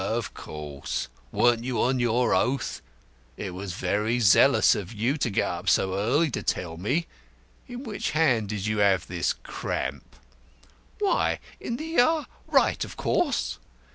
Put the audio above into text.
"Of course. Weren't you on your oath? It was very zealous of you to get up so early to tell me. In which hand did you have this cramp?" "Why, in the right of course."